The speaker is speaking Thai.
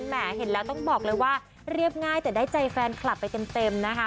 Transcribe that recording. แหมเห็นแล้วต้องบอกเลยว่าเรียบง่ายแต่ได้ใจแฟนคลับไปเต็มนะคะ